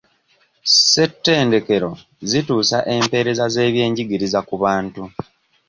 Ssettendekero zituusa empeereza z'eby'enjigiriza ku bantu.